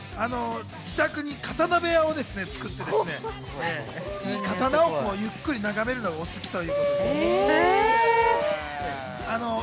自宅に刀部屋を作って、良い刀をゆっくり眺めるのがお好きということです。